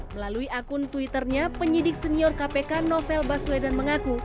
melalui akun twitternya penyidik senior kpk novel baswedan mengaku